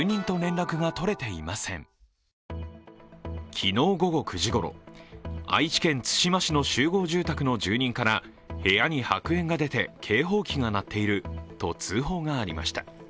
昨日午後９時ごろ、愛知県津島市の集合住宅の住人から部屋に白煙が出て警報器が鳴っていると通報がありました。